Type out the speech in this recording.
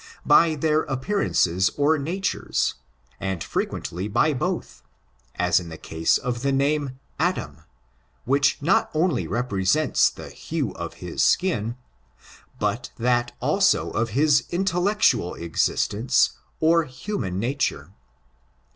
by their appearances or natures, and frequently by both, as in the case of the name Adam, which not only repre sented the hue of his skin, but that also of his intel lectual existence or human nature.